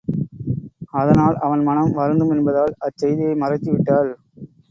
அதனால் அவன் மனம் வருந்தும் என்பதால் அச் செய்தியை மறைத்து விட்டாள்.